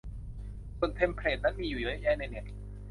ส่วนเทมเพลตนั้นมีอยู่เยอะแยะในเน็ต